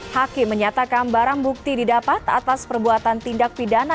hakim menyatakan barang bukti didapat atas perbuatan tindak pidana